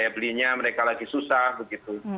belinya mereka lagi susah begitu